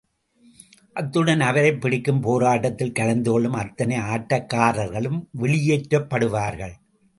அத்துடன் அவரைப் பிடிக்கும் போராட்டத்தில் கலந்துகொள்ளும் அத்தனை ஆட்டக்காரர்களும் வெளியேற்றப்படுவார்கள்.